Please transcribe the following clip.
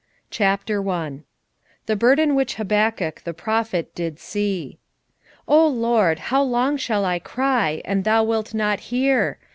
Habakkuk 1:1 The burden which Habakkuk the prophet did see. 1:2 O LORD, how long shall I cry, and thou wilt not hear!